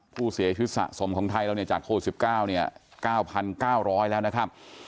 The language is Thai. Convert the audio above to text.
ผู้เสียชีวิตสะสมในโภค๑๙แล้ว๙๙๐๐ลาย